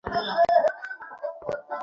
চলো, জিজ্ঞেস কর।